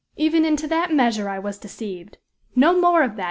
Even into that measure I was deceived no more of that!